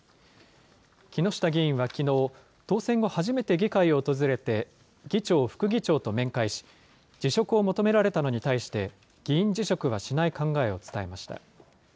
木下議員はきのう、当選後、初めて議会を訪れて、議長、副議長と面会し、辞職を求められたのに対して、議員辞職はしない考えを伝えました。